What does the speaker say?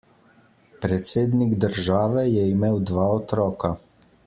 Predsednik države je imel dva otroka.